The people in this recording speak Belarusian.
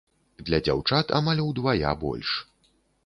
Для дзяўчат амаль удвая больш.